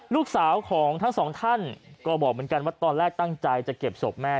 ลูกสาวของทั้งสองท่านก็บอกเหมือนกันว่าตอนแรกตั้งใจจะเก็บศพแม่